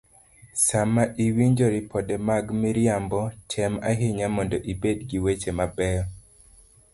Sama iwinjo ripode mag miriambo, tem ahinya mondo ibed gi weche mabeyo